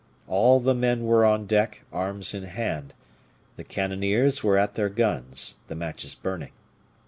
All the men were on deck, arms in hand; the cannoniers were at their guns, the matches burning.